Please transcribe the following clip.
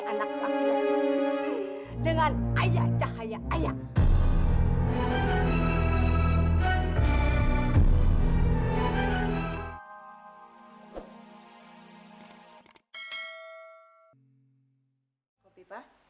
anak anak dengan ayah cahaya ayah hai